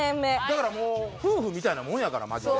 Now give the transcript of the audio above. だからもう夫婦みたいなもんやからマジで。